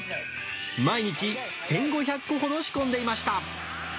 毎日１５００個ほど仕込んでいました。